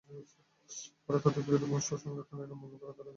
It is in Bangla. পরে তাঁদের বিরুদ্ধে মৎস্য সংরক্ষণ আইনে মামলা করে আদালতে সোপর্দ করা হয়।